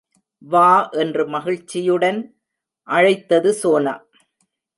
வா என்று மகிழ்ச்சியுடன் அழைத்தது சோனா.